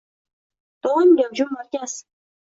Doim gavjum markaz